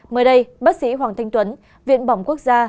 mới đây bác sĩ hoàng thanh tuấn viện bỏng quốc gia